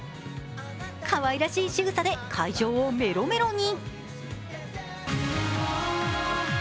かわいらしいしぐさで会場をメロメロに。